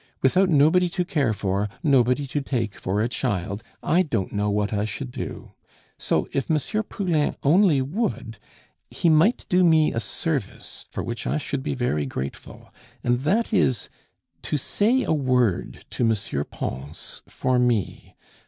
Without nobody to care for, nobody to take for a child, I don't know what I should do.... So if M. Poulain only would, he might do me a service for which I should be very grateful; and that is, to say a word to M. Pons for me.